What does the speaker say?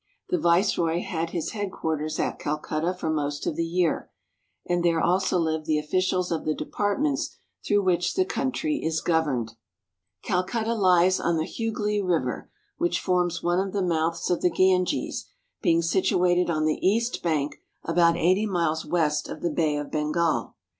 The Viceroy had his headquarters at Calcutta for most of the year, and there also Hved the officials of the departments through which the country is governed. Calcutta lies on the Hugh River, which forms one of the mouths of the Ganges, being situated on the east bank about eighty miles west of the Bay of Bengal.